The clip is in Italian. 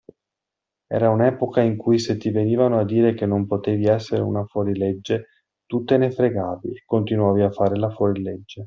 Era un epoca in cui se ti venivano a dire che non potevi essere una fuorilegge, tu te ne fregavi e continuavi a fare la fuorilegge.